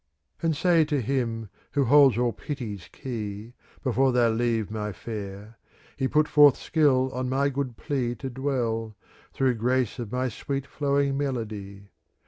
And say to him who holds all pity's key, ^ Before thou leave my fair. He put forth skill on my good plea to dwell. Through grace of my sweet flowing melody.